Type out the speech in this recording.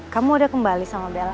kamu udah kembali sama bella